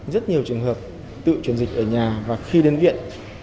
rất nhiều trường hợp tự chuyển dịch ở nhà và khi đến viện